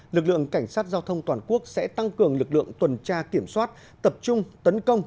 lực lượng cảnh sát giao thông toàn quốc sẽ tăng cường lực lượng tuần tra kiểm soát tập trung tấn công